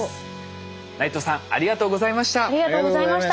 内藤さんありがとうございました。